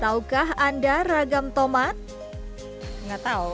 taukah anda ragam tomat nggak tahu